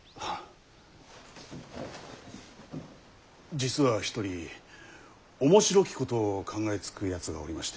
実は一人面白きことを考えつくやつがおりまして。